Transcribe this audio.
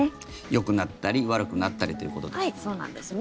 よくなったり悪くなったりということでしょうか。